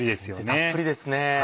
たっぷりですね。